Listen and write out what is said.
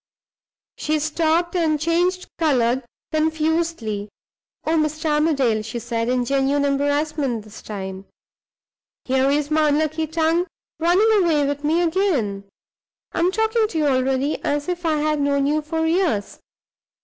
She stopped, and changed color confusedly. "Oh, Mr. Armadale," she said, in genuine embarrassment this time, "here is my unlucky tongue running away with me again! I am talking to you already as if I had known you for years!